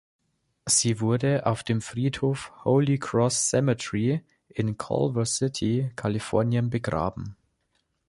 Sie wurde auf dem Friedhof „Holy Cross Cemetery“ in Culver City, Kalifornien, begraben.